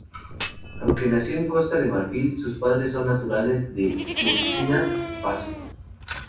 Aunque nació en Costa de Marfil, sus padres son naturales de Burkina Faso.